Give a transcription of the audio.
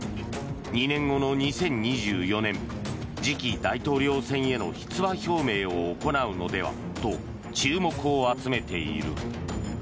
２年後の２０２４年次期大統領選への出馬表明を行うのではと注目を集めている。